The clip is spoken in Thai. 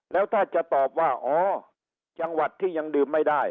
แล้วถ้าจะตอบว่าอ๋อจังหวัดที่ยังดื่มไม่ได้